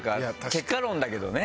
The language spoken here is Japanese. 結果論だけどね。